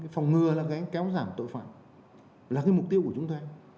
phòng ngừa là cái kéo giảm tội phạm là cái mục tiêu của chúng ta